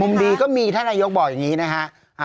ดีก็มีท่านนายกบอกอย่างนี้นะฮะ